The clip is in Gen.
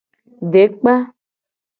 Dekpa.